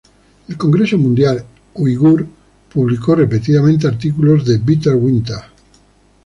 El Congreso Mundial Uigur publicó repetidamente artículos de "Bitter Winter".